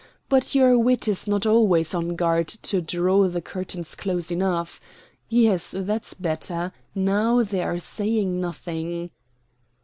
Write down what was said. But your wit is not always on guard to draw the curtains close enough. Yes, that's better; now they are saying nothing."